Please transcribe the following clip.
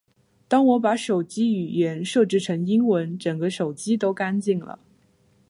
当我把手机语言设置成英文，整个手机都干净了